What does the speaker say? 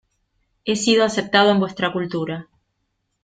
He sido aceptado en vuestra cultura.